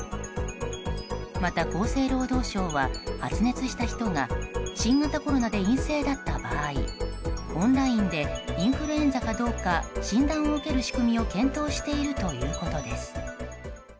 また厚生労働省は、発熱した人が新型コロナで陰性だった場合オンラインでインフルエンザかどうか診断を受ける仕組みを検討しているということです。